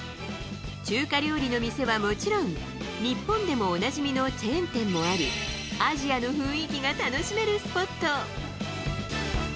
中華料理の店はもちろん、日本でもおなじみのチェーン店もあり、アジアの雰囲気が楽しめるスポット。